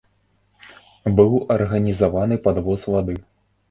Быў арганізаваны падвоз вады.